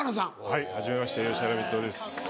はいはじめまして吉原光夫です。